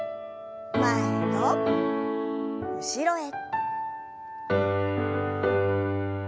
前と後ろへ。